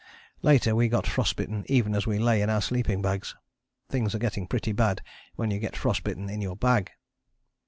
Later we got frost bitten even as we lay in our sleeping bags. Things are getting pretty bad when you get frost bitten in your bag.